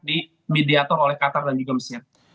di mediator oleh qatar dan juga mesir